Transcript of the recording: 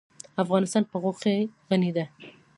افغانستان په غوښې غني دی.